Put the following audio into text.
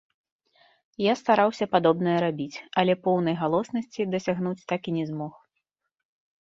Я стараўся падобнае рабіць, але поўнай галоснасці дасягнуць так і не змог.